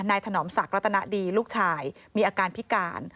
ถนอมศักดิรัตนดีลูกชายมีอาการพิการ